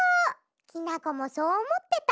きなこもそうおもってた。